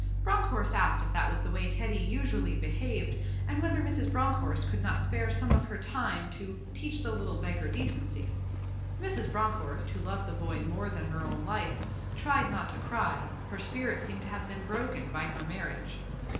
Bronckhorst asked if that was the way Teddy usually behaved, and whether Mrs. Bronckhorst could not spare some of her time 'to teach the little beggar decency'. Mrs. Bronckhorst, who loved the boy more than her own life, tried not to cry her spirit seemed to have been broken by her marriage.